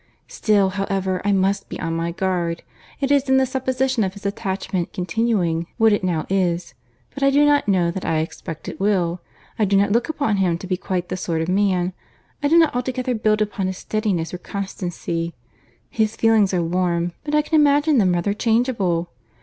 —Still, however, I must be on my guard. This is in the supposition of his attachment continuing what it now is; but I do not know that I expect it will; I do not look upon him to be quite the sort of man—I do not altogether build upon his steadiness or constancy.—His feelings are warm, but I can imagine them rather changeable.